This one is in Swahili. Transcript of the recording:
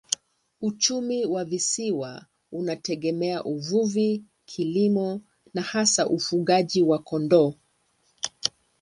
Uchumi wa visiwa unategemea uvuvi, kilimo na hasa ufugaji wa kondoo.